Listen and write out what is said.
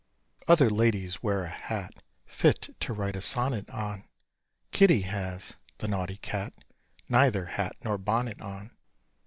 Other ladies wear a hat Fit to write a sonnet on: Kitty has the naughty cat Neither hat nor bonnet on!